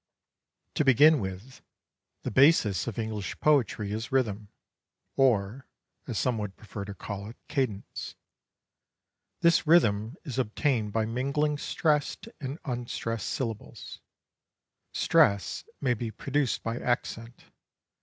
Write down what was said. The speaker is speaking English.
To begin with, the basis of English poetry is rhythm, or, as some would prefer to call it, cadence. This rhythm is obtained by mingling stressed and unstressed syllables. Stress may be produced by accent.